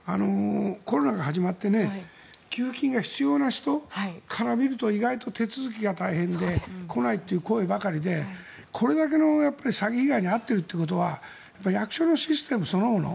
コロナが始まって給付金が必要な人から見ると意外と手続きが大変で来ないという声ばかりでこれだけの詐欺被害に遭っているということは役所のシステムそのもの